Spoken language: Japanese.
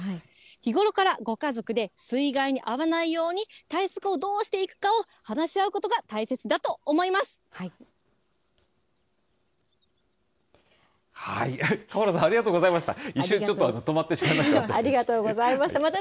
日ごろからご家族で水害に遭わないように、対策をどうしていくかを話し合うことが大切だと思いまかほなんさん、ありがとうございました。